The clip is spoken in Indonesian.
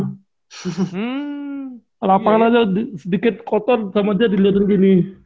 hmm lapangan aja sedikit kotor sama dia dilihat dulu gini